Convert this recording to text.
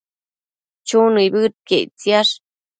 Chu nibëdquiec ictisash